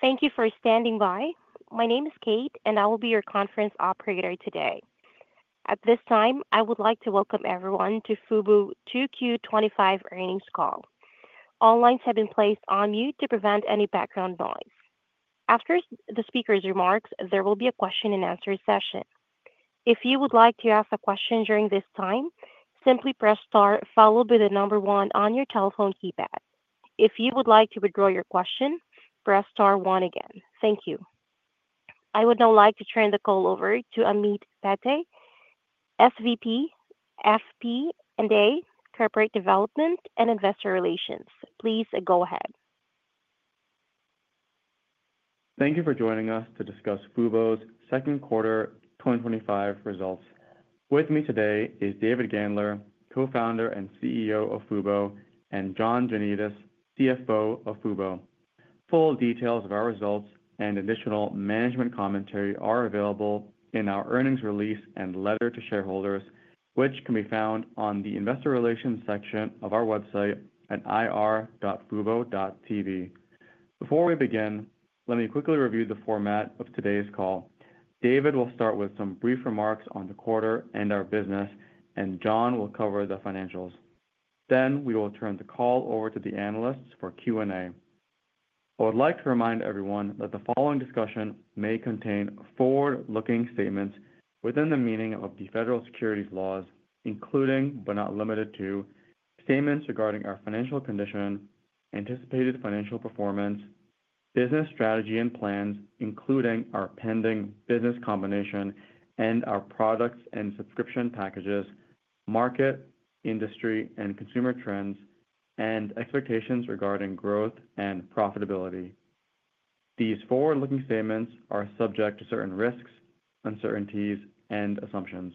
Thank you for standing by. My name is Kate, and I will be your conference operator today. At this time, I would like to welcome everyone to Fubo's Q2 2025 Earnings Call. All lines have been placed on mute to prevent any background noise. After the speaker's remarks, there will be a question and answer session. If you would like to ask a question during this time, simply press star followed by the number one on your telephone keypad. If you would like to withdraw your question, press star one again. Thank you. I would now like to turn the call over to Ameet Padte, SVP, FP&A, Corporate Development, and Investor Relations. Please go ahead. Thank you for joining us to discuss Fubo's second quarter 2025 results. With me today is David Gandler, Co-Founder and CEO of Fubo, and John Janedis, CFO of Fubo. Full details of our results and additional management commentary are available in our earnings release and letter to shareholders, which can be found on the Investor Relations section of our website at ir.fubo.tv. Before we begin, let me quickly review the format of today's call. David will start with some brief remarks on the quarter and our business, and John will cover the financials. We will then turn the call over to the analysts for Q&A. I would like to remind everyone that the following discussion may contain forward-looking statements within the meaning of the Federal Securities Laws, including but not limited to statements regarding our financial condition, anticipated financial performance, business strategy and plans, including our pending business combination, and our products and subscription packages, market, industry, and consumer trends, and expectations regarding growth and profitability. These forward-looking statements are subject to certain risks, uncertainties, and assumptions.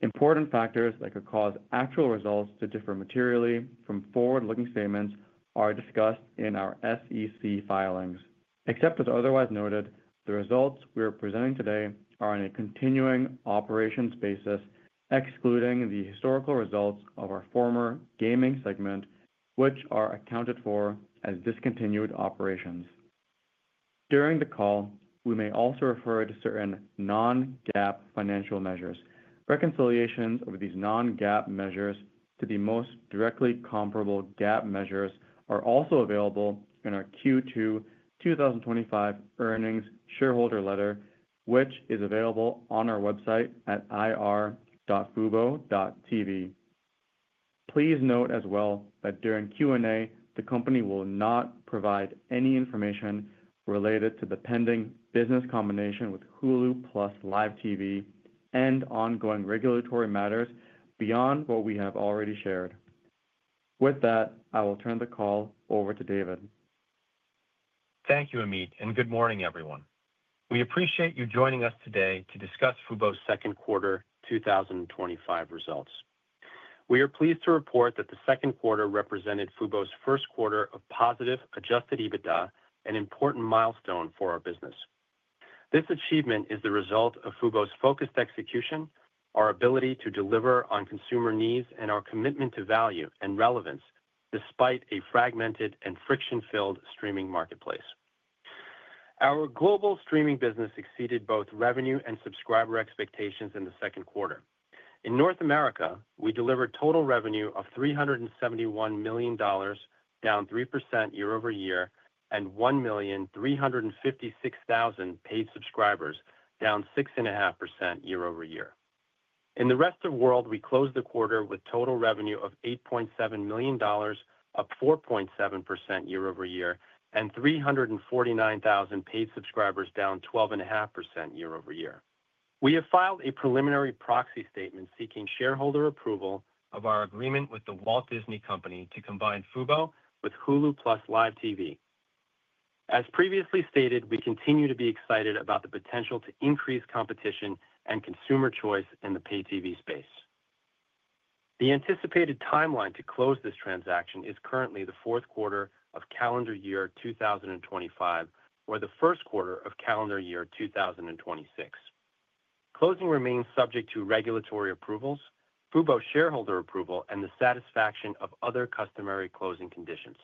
Important factors that could cause actual results to differ materially from forward-looking statements are discussed in our SEC filings. Except as otherwise noted, the results we are presenting today are on a continuing operations basis, excluding the historical results of our former gaming segment, which are accounted for as discontinued operations. During the call, we may also refer to certain non-GAAP financial measures. Reconciliations of these non-GAAP measures to the most directly comparable GAAP measures are also available in our Q2 2025 earnings shareholder letter, which is available on our website at ir.fubo.tv. Please note as well that during Q&A, the company will not provide any information related to the pending business combination with Hulu + Live TV and ongoing regulatory matters beyond what we have already shared. With that, I will turn the call over to David. Thank you, Ameet, and good morning, everyone. We appreciate you joining us today to discuss Fubo's second quarter 2025 results. We are pleased to report that the second quarter represented Fubo's first quarter of positive adjusted EBITDA, an important milestone for our business. This achievement is the result of Fubo's focused execution, our ability to deliver on consumer needs, and our commitment to value and relevance despite a fragmented and friction-filled streaming marketplace. Our global streaming business exceeded both revenue and subscriber expectations in the second quarter. In North America, we delivered total revenue of $371 million, down 3% year-over-year, and 1,356,000 paid subscribers, down 6.5% year-over-year. In the rest of the world, we closed the quarter with total revenue of $8.7 million, up 4.7% year-over-year, and 349,000 paid subscribers, down 12.5% year-over-year. We have filed a preliminary proxy statement seeking shareholder approval of our agreement with The Walt Disney Company to combine Fubo with Hulu + Live TV. As previously stated, we continue to be excited about the potential to increase competition and consumer choice in the pay-TV space. The anticipated timeline to close this transaction is currently the fourth quarter of calendar year 2025 or the first quarter of calendar year 2026. Closing remains subject to regulatory approvals, Fubo shareholder approval, and the satisfaction of other customary closing conditions.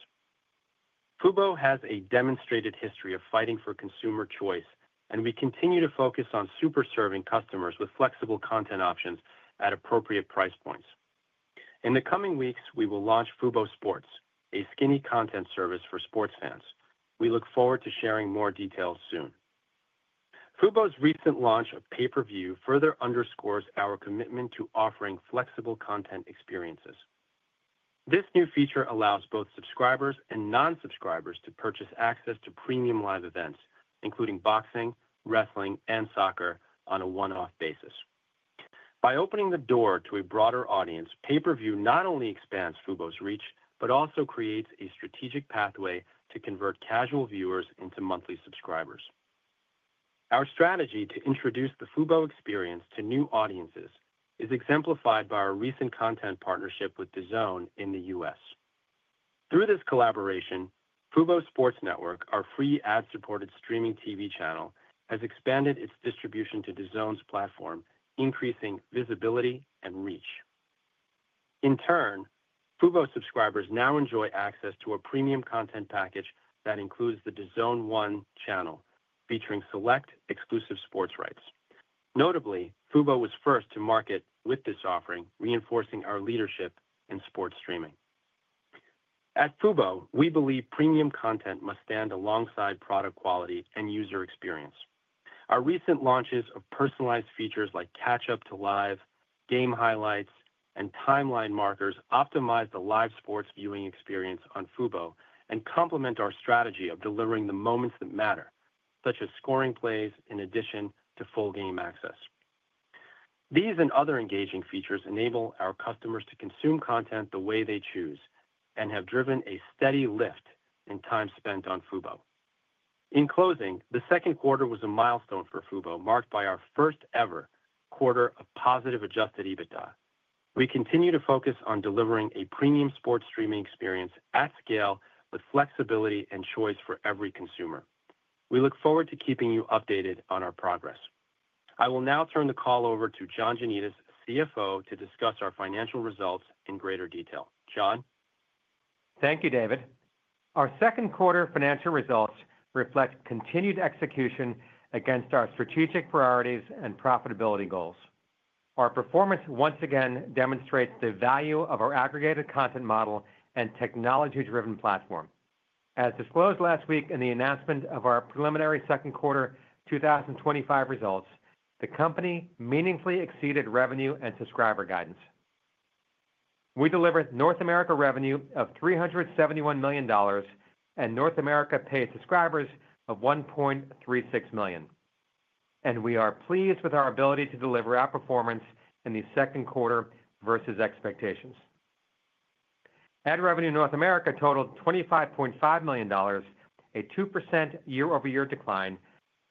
Fubo has a demonstrated history of fighting for consumer choice, and we continue to focus on super-serving customers with flexible content options at appropriate price points. In the coming weeks, we will launch Fubo Sports, a skinny content service for sports fans. We look forward to sharing more details soon. Fubo's recent launch of Pay-Per-View further underscores our commitment to offering flexible content experiences. This new feature allows both subscribers and non-subscribers to purchase access to premium live events, including boxing, wrestling, and soccer on a one-off basis. By opening the door to a broader audience, Pay-Per-View not only expands Fubo's reach but also creates a strategic pathway to convert casual viewers into monthly subscribers. Our strategy to introduce the Fubo experience to new audiences is exemplified by our recent content partnership with DAZN in the U.S. Through this collaboration, Fubo Sports Network, our free ad-supported streaming TV channel, has expanded its distribution to DAZN's platform, increasing visibility and reach. In turn, Fubo subscribers now enjoy access to a premium content package that includes the DAZN 1 channel, featuring select exclusive sports rights. Notably, Fubo was first to market with this offering, reinforcing our leadership in sports streaming. At Fubo, we believe premium content must stand alongside product quality and user experience. Our recent launches of personalized features like catch-up to live, game highlights, and timeline markers optimize the live sports viewing experience on Fubo and complement our strategy of delivering the moments that matter, such as scoring plays in addition to full game access. These and other engaging features enable our customers to consume content the way they choose and have driven a steady lift in time spent on Fubo. In closing, the second quarter was a milestone for Fubo, marked by our first-ever quarter of positive adjusted EBITDA. We continue to focus on delivering a premium sports streaming experience at scale with flexibility and choice for every consumer. We look forward to keeping you updated on our progress. I will now turn the call over to John Janedis, CFO, to discuss our financial results in greater detail. John? Thank you, David. Our second quarter financial results reflect continued execution against our strategic priorities and profitability goals. Our performance once again demonstrates the value of our aggregated content model and technology-driven platform. As disclosed last week in the announcement of our preliminary second quarter 2025 results, the company meaningfully exceeded revenue and subscriber guidance. We delivered North America revenue of $371 million and North America paid subscribers of 1.36 million. We are pleased with our ability to deliver outperformance in the second quarter versus expectations. Ad revenue in North America totaled $25.5 million, a 2% year-over-year decline,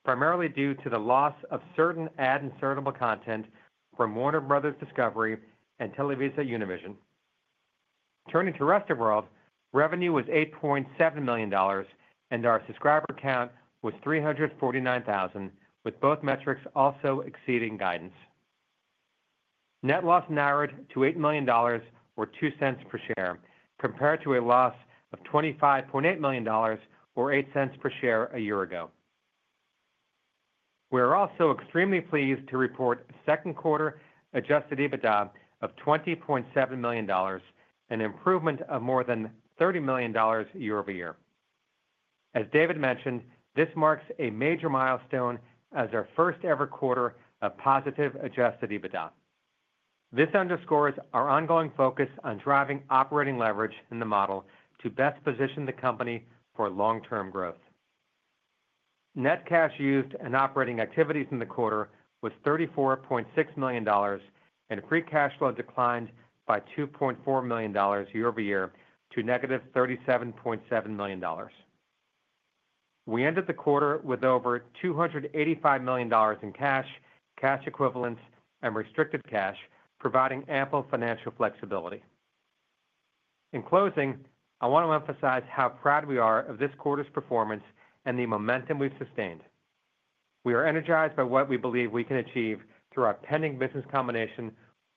primarily due to the loss of certain ad insertable content from Warner Bros. Discovery and TelevisaUnivision. Turning to the rest of the world, revenue was $8.7 million, and our subscriber count was 349,000, with both metrics also exceeding guidance. Net loss narrowed to $8 million or $0.02 per share, compared to a loss of $25.8 million or $0.08 per share a year ago. We are also extremely pleased to report a second quarter adjusted EBITDA of $20.7 million, an improvement of more than $30 million year-over-year. As David mentioned, this marks a major milestone as our first-ever quarter of positive adjusted EBITDA. This underscores our ongoing focus on driving operating leverage in the model to best position the company for long-term growth. Net cash used in operating activities in the quarter was $34.6 million, and free cash flow declined by $2.4 million year-over-year to -$37.7 million. We ended the quarter with over $285 million in cash, cash equivalents, and restricted cash, providing ample financial flexibility. In closing, I want to emphasize how proud we are of this quarter's performance and the momentum we've sustained. We are energized by what we believe we can achieve through our pending business combination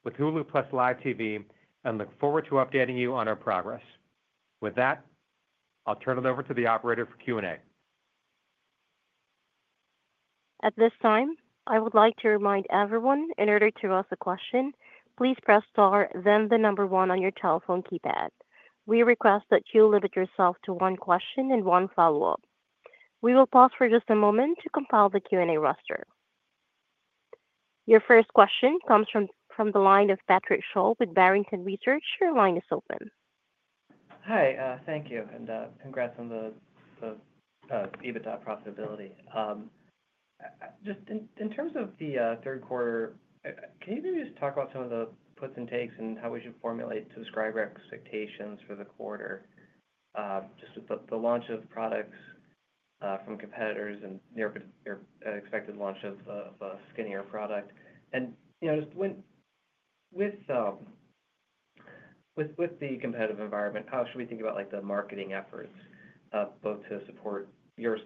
with Hulu + Live TV and look forward to updating you on our progress. With that, I'll turn it over to the operator for Q&A. At this time, I would like to remind everyone in order to ask a question, please press star, then the number one on your telephone keypad. We request that you limit yourself to one question and one follow-up. We will pause for just a moment to compile the Q&A roster. Your first question comes from the line of Patrick Sholl with Barrington Research. Your line is open. Hi. Thank you. Congrats on the EBITDA profitability. In terms of the third quarter, can you maybe just talk about some of the puts and takes and how we should formulate subscriber expectations for the quarter? With the launch of products from competitors and your expected launch of a skinnier product, with the competitive environment, how should we think about the marketing efforts both to support your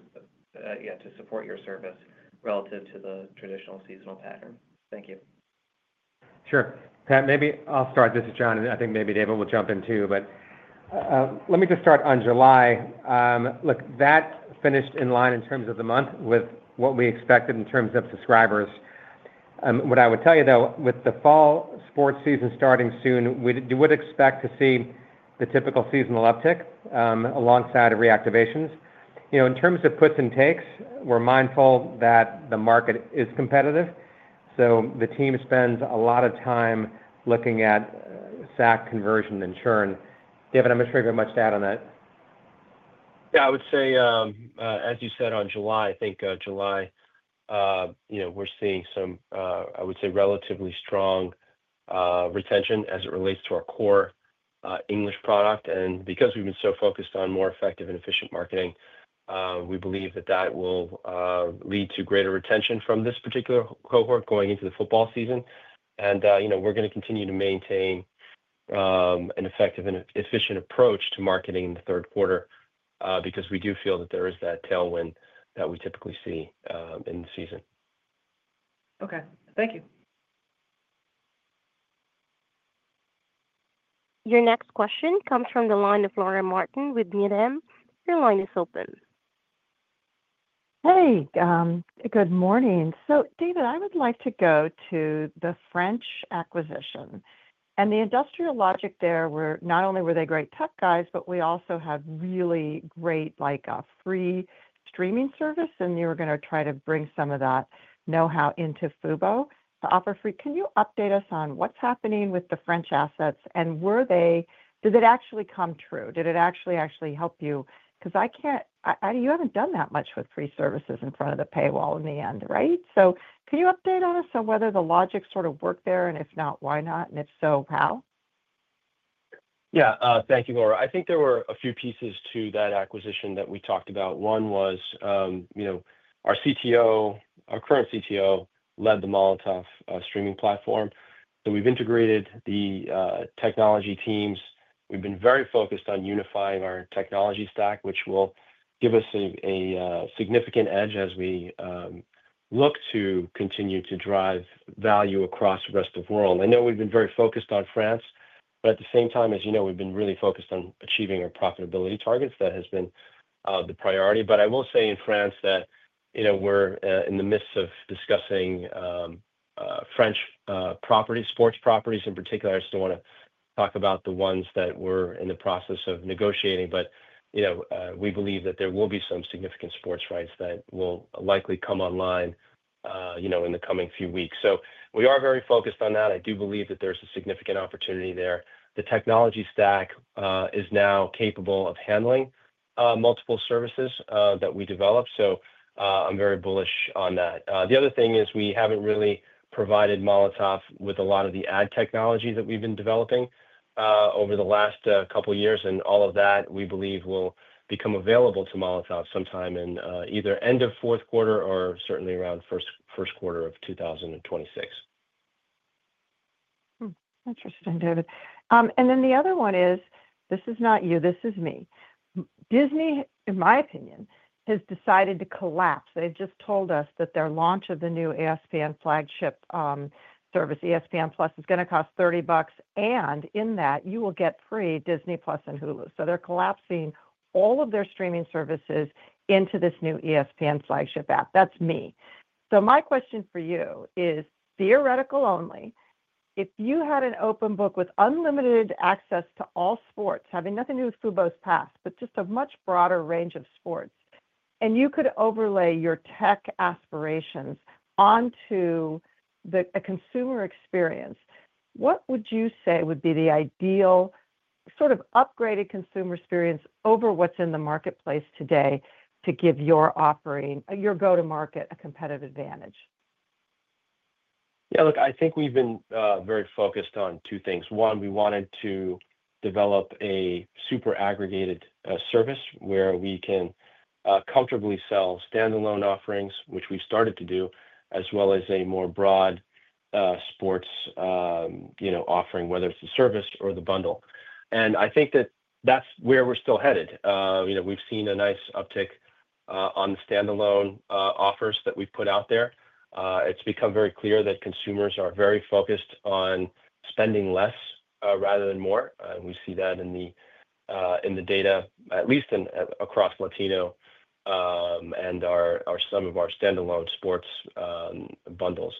service relative to the traditional seasonal pattern? Thank you. Sure. Maybe I'll start. This is John. I think maybe David will jump in too. Let me just start on July. Look, that finished in line in terms of the month with what we expected in terms of subscribers. What I would tell you, though, with the fall sports season starting soon, we would expect to see the typical seasonal uptick alongside reactivations. In terms of puts and takes, we're mindful that the market is competitive. The team spends a lot of time looking at SAC conversion and churn. David, I'm not sure you have much to add on that. Yeah, I would say, as you said in July, I think July, we're seeing some relatively strong retention as it relates to our core English product. Because we've been so focused on more effective and efficient marketing, we believe that will lead to greater retention from this particular cohort going into the football season. We're going to continue to maintain an effective and efficient approach to marketing in the third quarter because we do feel that there is that tailwind that we typically see in the season. Okay, thank you. Your next question comes from the line of Laura Martin with Needham. Your line is open. Hey. Good morning. David, I would like to go to the French acquisition. The industrial logic there, not only were they great tech guys, but we also have really great free streaming service. You were going to try to bring some of that know-how into Fubo to offer free. Can you update us on what's happening with the French assets? Did it actually come true? Did it actually help you? I can't, you haven't done that much with free services in front of the paywall in the end, right? Can you update us on whether the logic sort of worked there? If not, why not? If so, how? Thank you, Laura. I think there were a few pieces to that acquisition that we talked about. One was, you know, our CTO, our current CTO, led the Molotov streaming platform. We've integrated the technology teams. We've been very focused on unifying our technology stack, which will give us a significant edge as we look to continue to drive value across the rest of the world. I know we've been very focused on France, but at the same time, as you know, we've been really focused on achieving our profitability targets. That has been the priority. I will say in France that, you know, we're in the midst of discussing French properties, sports properties in particular. I just don't want to talk about the ones that we're in the process of negotiating. We believe that there will be some significant sports rights that will likely come online in the coming few weeks. We are very focused on that. I do believe that there's a significant opportunity there. The technology stack is now capable of handling multiple services that we develop. I'm very bullish on that. The other thing is we haven't really provided Molotov with a lot of the ad tech that we've been developing over the last couple of years. All of that, we believe, will become available to Molotov sometime in either end of fourth quarter or certainly around first quarter of 2026. Interesting, David. The other one is, this is not you. This is me. Disney, in my opinion, has decided to collapse. They just told us that their launch of the new ESPN flagship service, ESPN+, is going to cost $30. In that, you will get free Disney+ and Hulu. They are collapsing all of their streaming services into this new ESPN flagship app. That's me. My question for you is, theoretical only, if you had an open book with unlimited access to all sports, having nothing to do with Fubo's past, but just a much broader range of sports, and you could overlay your tech aspirations onto a consumer experience, what would you say would be the ideal sort of upgraded consumer experience over what's in the marketplace today to give your offering, your go-to-market, a competitive advantage? Yeah, look, I think we've been very focused on two things. One, we wanted to develop a super aggregated service where we can comfortably sell standalone offerings, which we've started to do, as well as a more broad sports offering, whether it's the service or the bundle. I think that that's where we're still headed. We've seen a nice uptick on the standalone offers that we've put out there. It's become very clear that consumers are very focused on spending less rather than more. We see that in the data, at least across Latino and some of our standalone sports bundles.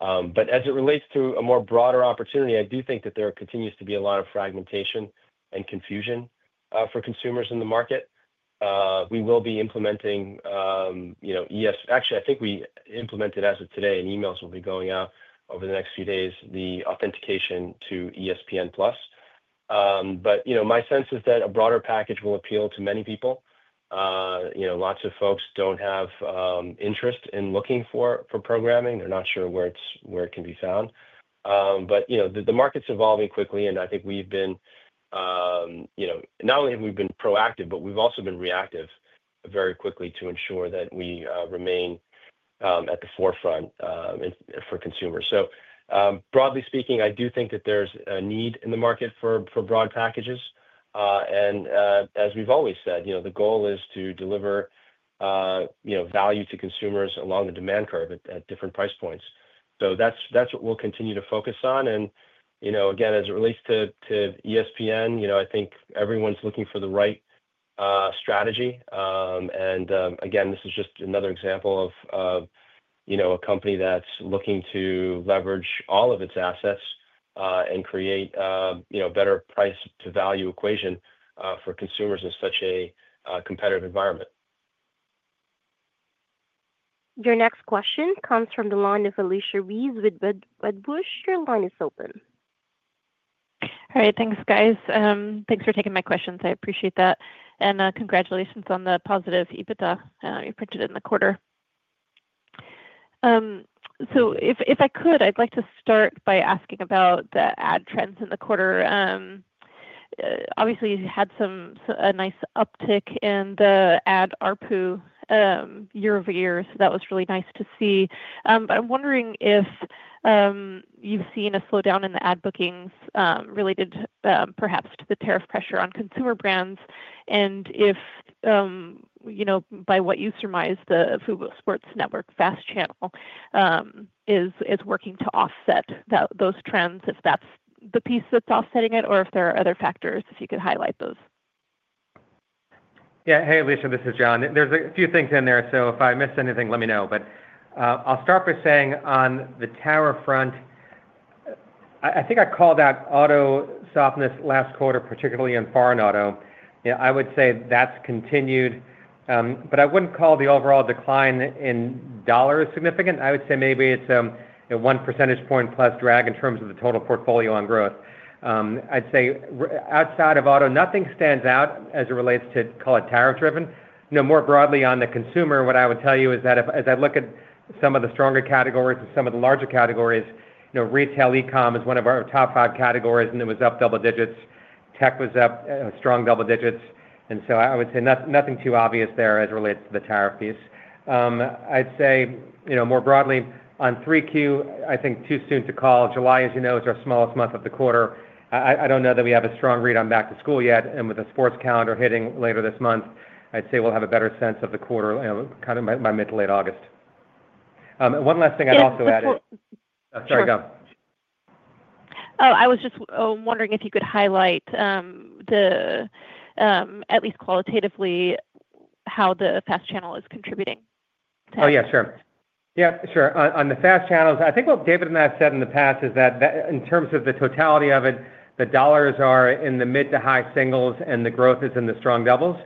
As it relates to a more broader opportunity, I do think that there continues to be a lot of fragmentation and confusion for consumers in the market. We will be implementing, actually, I think we implemented as of today, and emails will be going out over the next few days, the authentication to ESPN+. My sense is that a broader package will appeal to many people. Lots of folks don't have interest in looking for programming. They're not sure where it can be found. The market's evolving quickly. I think we've been, not only have we been proactive, but we've also been reactive very quickly to ensure that we remain at the forefront for consumers. Broadly speaking, I do think that there's a need in the market for broad packages. As we've always said, the goal is to deliver value to consumers along the demand curve at different price points. That's what we'll continue to focus on. Again, as it relates to ESPN, I think everyone's looking for the right strategy. This is just another example of a company that's looking to leverage all of its assets and create a better price-to-value equation for consumers in such a competitive environment. Your next question comes from the line of Alicia Reese with Wedbush. Your line is open. All right. Thanks, guys. Thanks for taking my questions. I appreciate that. Congratulations on the positive EBITDA you printed in the quarter. If I could, I'd like to start by asking about the ad trends in the quarter. Obviously, you had a nice uptick in the ad ARPU year-over-year. That was really nice to see. I'm wondering if you've seen a slowdown in the ad bookings related perhaps to the tariff pressure on consumer brands and if, by what you surmise, the Fubo Sports Network FAST Channel is working to offset those trends, if that's the piece that's offsetting it, or if there are other factors, if you could highlight those. Yeah. Hey, Alicia. This is John. There are a few things in there. If I missed anything, let me know. I'll start by saying on the tower front, I think I called out auto softness last quarter, particularly in foreign auto. I would say that's continued. I wouldn't call the overall decline in dollars significant. I would say maybe it's a 1 percentage point plus drag in terms of the total portfolio on growth. Outside of auto, nothing stands out as it relates to, call it, tariff-driven. More broadly on the consumer, what I would tell you is that as I look at some of the stronger categories and some of the larger categories, retail e-com is one of our top five categories, and it was up double-digits. Tech was up strong double-digits. I would say nothing too obvious there as it relates to the tariff piece. More broadly on 3Q, I think too soon to call. July, as you know, is our smallest month of the quarter. I don't know that we have a strong read on back to school yet. With the sports calendar hitting later this month, I'd say we'll have a better sense of the quarter by mid to late August. One last thing I'd also add is, sorry, go. I was just wondering if you could highlight, at least qualitatively, how the FAST Channel is contributing. Yeah, sure. On the FAST Channels, I think what David and I have said in the past is that in terms of the totality of it, the dollars are in the mid to high singles and the growth is in the strong doubles.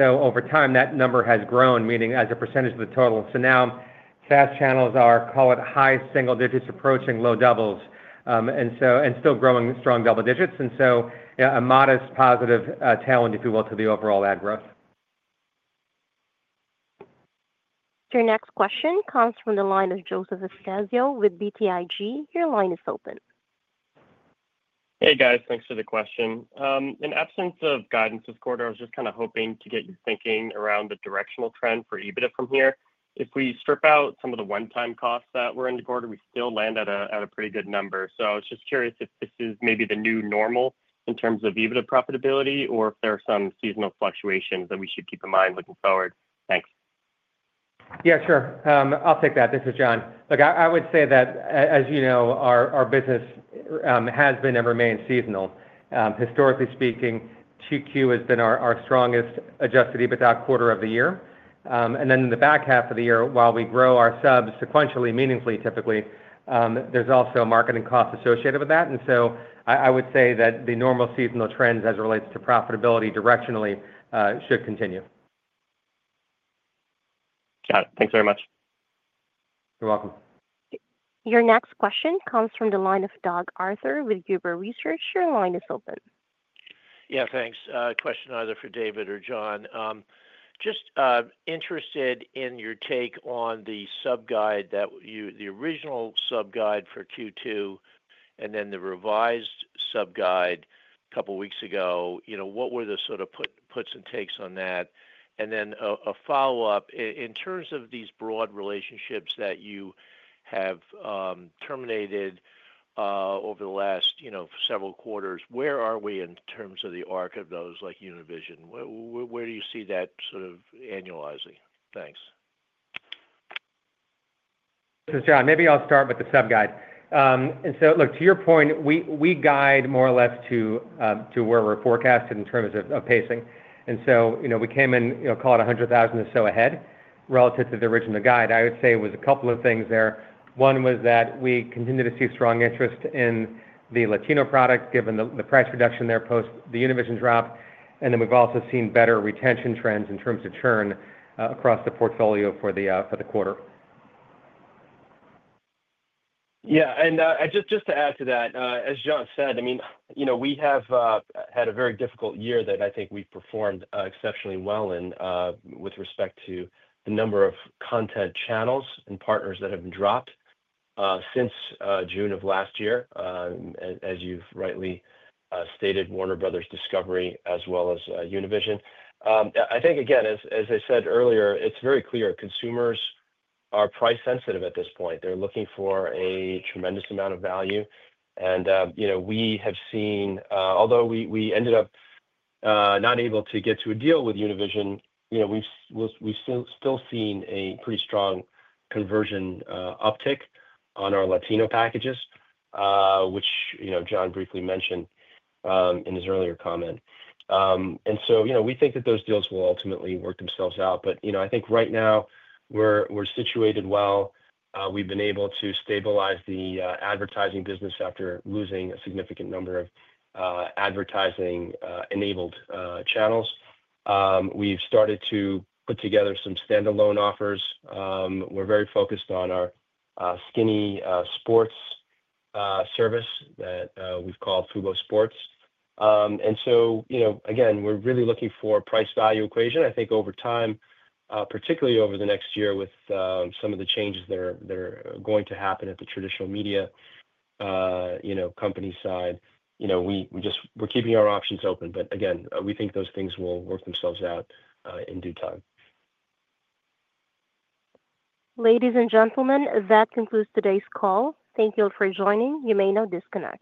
Over time, that number has grown, meaning as a percentage of the total. Now FAST Channels are, call it, high single-digits approaching low doubles and still growing strong double-digits. A modest positive talent, if you will, to the overall ad growth. Your next question comes from the line of Joseph Spiezio with BTIG. Your line is open. Hey, guys. Thanks for the question. In absence of guidance this quarter, I was just kind of hoping to get you thinking around the directional trend for EBITDA from here. If we strip out some of the one-time costs that were in the quarter, we still land at a pretty good number. I was just curious if this is maybe the new normal in terms of EBITDA profitability or if there are some seasonal fluctuations that we should keep in mind looking forward. Thanks. Yeah, sure. I'll take that. This is John. Look, I would say that, as you know, our business has been and remains seasonal. Historically speaking, Q2 has been our strongest adjusted EBITDA quarter of the year. In the back half of the year, while we grow our subs sequentially, meaningfully, typically, there's also marketing costs associated with that. I would say that the normal seasonal trends as it relates to profitability directionally should continue. Got it. Thanks very much. You're welcome. Your next question comes from the line of Doug Arthur with Huber Research. Your line is open. Yeah, thanks. Question either for David or John. Just interested in your take on the sub guide that you, the original sub guide for Q2 and then the revised sub guide a couple of weeks ago. What were the sort of puts and takes on that? A follow-up in terms of these broad relationships that you have terminated over the last several quarters, where are we in terms of the arc of those like Univision? Where do you see that sort of annualizing? Thanks. John, maybe I'll start with the sub guide. To your point, we guide more or less to where we're forecasted in terms of pacing. We came in, call it 100,000 or so ahead relative to the original guide. I would say it was a couple of things there. One was that we continue to see strong interest in the Latino product, given the price reduction there post the Univision drop. We've also seen better retention trends in terms of churn across the portfolio for the quarter. Yeah. Just to add to that, as John said, we have had a very difficult year that I think we've performed exceptionally well in with respect to the number of content channels and partners that have been dropped since June of last year, as you've rightly stated, Warner Bros. Discovery, as well as Univision. I think, again, as I said earlier, it's very clear consumers are price sensitive at this point. They're looking for a tremendous amount of value. We have seen, although we ended up not able to get to a deal with Univision, we've still seen a pretty strong conversion uptick on our Latino packages, which John briefly mentioned in his earlier comment. We think that those deals will ultimately work themselves out. I think right now we're situated well. We've been able to stabilize the advertising business after losing a significant number of advertising-enabled channels. We've started to put together some standalone offers. We're very focused on our skinny sports service that we've called Fubo Sports. We're really looking for a price-value equation. I think over time, particularly over the next year with some of the changes that are going to happen at the traditional media company side, we're keeping our options open. We think those things will work themselves out in due time. Ladies and gentlemen, that concludes today's call. Thank you all for joining. You may now disconnect.